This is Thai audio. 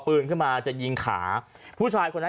ปืนขึ้นมาจะยิงขาผู้ชายคนนั้น